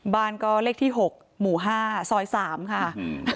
บ้านก็เลขที่๖หมู่๕ซอย๓ค่ะ